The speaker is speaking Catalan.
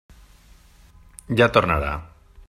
Ja tornarà.